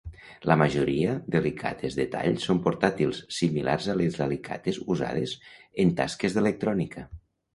La majoria d'alicates de tall són portàtils, similars a les alicates usades en tasques d'electrònica.